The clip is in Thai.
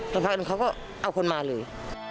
แต่พักนั้นเขาก็เอาคนมาเลย